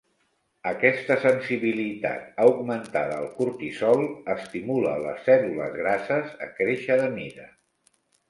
Aquesta sensibilitat augmentada al cortisol estimula a les cèl·lules grasses a créixer de mida.